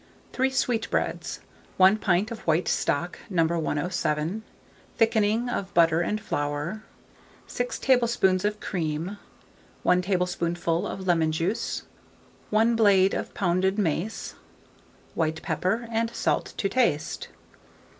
3 sweetbreads, 1 pint of white stock No. 107, thickening of butter and flour, 6 tablespoonfuls of cream, 1 tablespoonful of lemon juice, 1 blade of pounded mace, white pepper and salt to taste.